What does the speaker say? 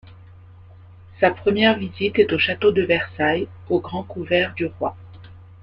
Sa première visite est au château de Versailles, au grand couvert du Roi.